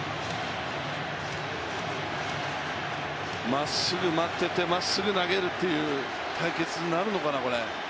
まっすぐ待っててまっすぐ投げるっていう対決になるのかな、これ。